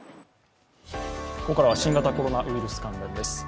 ここからは新型コロナウイルス関連です。